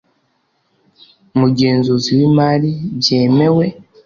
Mugenzuzi w imari byemewe